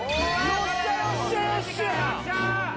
よっしゃ！